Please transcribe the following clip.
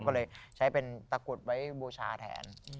ก็เลยใช้เป็นตะกรุดไว้บูชาแทน